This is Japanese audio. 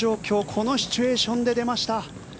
このシチュエーションで出ました。